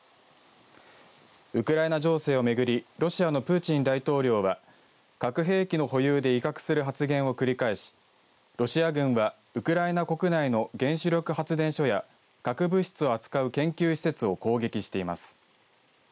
ウクライナ情勢をめぐりロシアのプーチン大統領は核兵器の保有で威嚇する発言を繰り返しロシア軍はウクライナ国内の原子力発電所や核物質を扱う研究施設を攻撃しています。